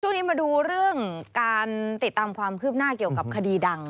ช่วงนี้มาดูเรื่องการติดตามความคืบหน้าเกี่ยวกับคดีดัง